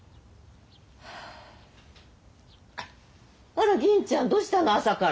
あら銀ちゃんどうしたの朝から。